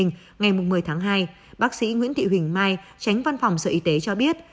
ngày một mươi tháng hai bác sĩ nguyễn thị huỳnh mai tránh văn phòng sở y tế cho biết